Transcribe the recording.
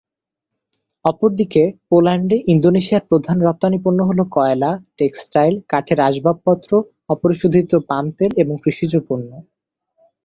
অপরদিকে, পোল্যান্ডে, ইন্দোনেশিয়ার প্রধান রপ্তানি পণ্য হল কয়লা, টেক্সটাইল, কাঠের আসবাবপত্র, অপরিশোধিত পাম তেল এবং কৃষিজ পণ্য।